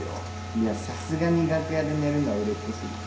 いやさすがに楽屋で寝るのは売れっ子過ぎる。